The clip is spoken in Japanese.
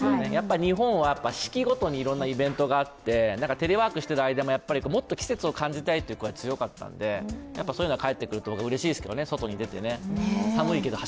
日本は四季ごとにいろいろなイベントがあってテレワークしてる間も、もっと季節を感じたいという声が強かったんでそういうのがかえってくるのはうれしいですけどね。